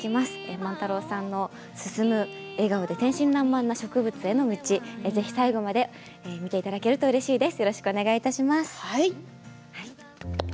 万太郎さんの笑顔で天真らんまんな植物への道、最後まで見ていただけるとうれしいです。